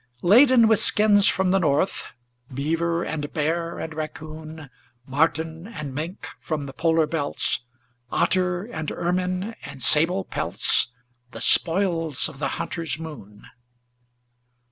Laden with skins from the north, Beaver and bear and raccoon, Marten and mink from the polar belts, Otter and ermine and sable pelts The spoils of the hunter's moon.